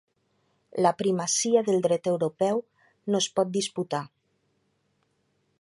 La primacia del dret europeu no es pot disputar.